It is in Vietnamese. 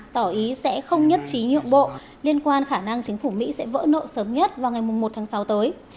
tỏ ý sẽ không nhất trí nhượng bộ liên quan khả năng chính phủ mỹ sẽ vỡ nợ sớm nhất vào ngày một tháng sáu tới